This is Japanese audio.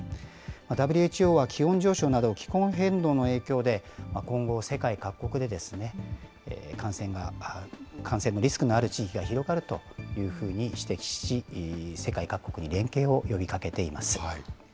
ＷＨＯは気温上昇など気候変動の影響で、今後、世界各国で感染のリスクがある地域が広がるというふうに指摘し、世界各国に連携を呼びかけています。